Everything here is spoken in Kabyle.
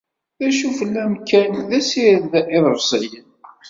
D acu fell-am kan, d asired iḍebsiyen.